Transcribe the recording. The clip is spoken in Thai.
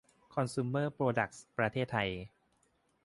คอนซูมเมอร์ โปรดักส์ ประเทศไทย